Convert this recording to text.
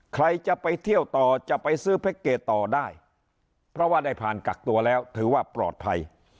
ใครจะไปเที่ยวต่อจะไปซื้อแพ็คเกจต่อได้เพราะว่าได้ผ่านกักตัวแล้วถือว่าปลอดภัย